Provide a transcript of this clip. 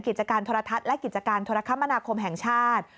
กิจการโทรทัศน์และกิจการโทรคมนาคมแห่งชาติ